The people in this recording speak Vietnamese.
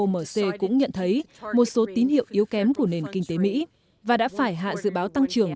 omc cũng nhận thấy một số tín hiệu yếu kém của nền kinh tế mỹ và đã phải hạ dự báo tăng trưởng